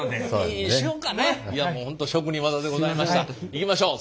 いきましょう。